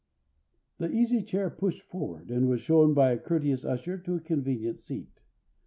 The Easy Chair pushed forward, and was shown by a courteous usher to a convenient seat.